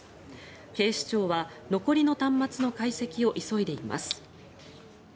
警視庁は残りの端末の解析を急いでいます。